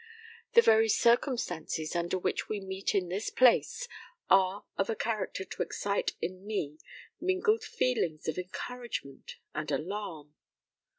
The very circumstances under which we meet in this place are of a character to excite in me mingled feelings of encouragement and alarm.